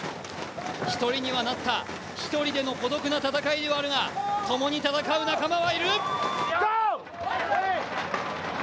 １人にはなった、１人での孤独な戦いではあるが、ともに戦う仲間はいる。